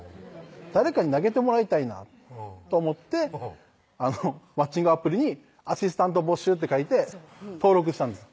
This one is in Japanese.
誰かに投げてもらいたいなと思ってマッチングアプリに「アシスタント募集」って書いて登録したんです